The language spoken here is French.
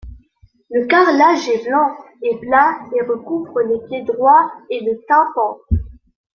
Le carrelage est blanc et plat et recouvre les pieds-droits et le tympan.